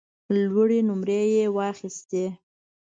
لوړې نمرې یې واخیستې.